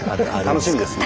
楽しみですね。